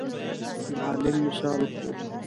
معلم مثال وښود.